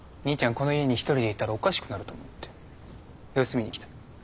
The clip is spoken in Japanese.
この家に１人でいたらおかしくなると思って様子見に来た。